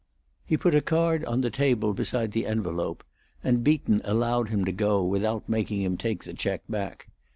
He put a card on the table beside the envelope, and Beaton allowed him to go without making him take the check back.